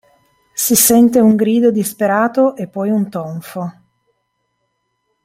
Si sente un grido disperato e poi un tonfo.